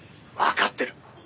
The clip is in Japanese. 「わかってる。